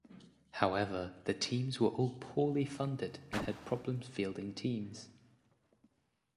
However, the teams were all poorly funded and had problems fielding teams.